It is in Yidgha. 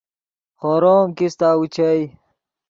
خورو ام کیستہ اوچئے